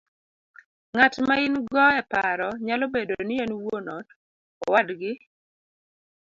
Ng'at ma in go e paro nyalo bedo ni en wuon ot, owadgi,